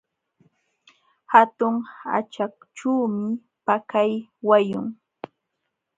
Hatun haćhachuumi pakay wayun.